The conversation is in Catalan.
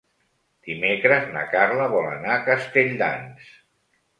Dimecres na Carla vol anar a Castelldans.